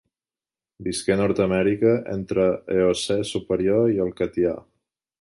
Visqué a Nord-amèrica entre l'Eocè superior i el Catià.